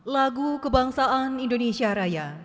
lagu kebangsaan indonesia raya